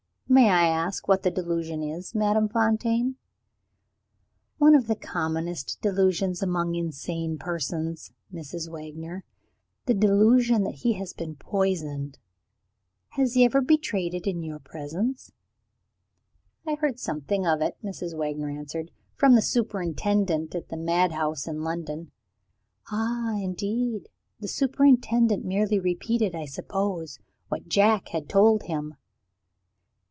"May I ask what the delusion is, Madame Fontaine?" "One of the commonest delusions among insane persons, Mrs. Wagner the delusion that he has been poisoned. Has he ever betrayed it in your presence?" "I heard something of it," Mrs. Wagner answered, "from the superintendent at the madhouse in London." "Ah, indeed? The superintendent merely repeated, I suppose, what Jack had told him?"